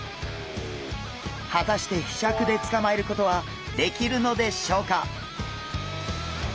果たしてひしゃくでつかまえることはできるのでしょうか？